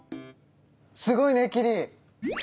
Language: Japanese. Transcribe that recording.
すごいねキリ！